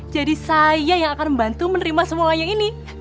jadi saya yang akan membantu menerima semua yang ini